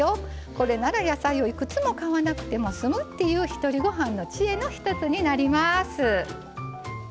これなら野菜をいくつも買わなくても済むっていう、ひとりごはんの知恵の一つになります。